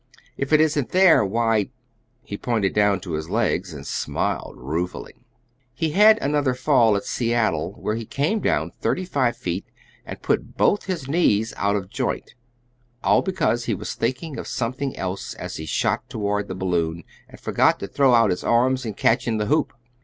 If it isn't there, why " He pointed down to his legs, and smiled ruefully. He had another fall at Seattle, where he came down thirty five feet and put both his knees out of joint, all because he was thinking of something else as he shot toward the balloon, and forgot to throw out his arms and catch in the hoop.